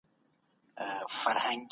دا دوې افغانۍ دي.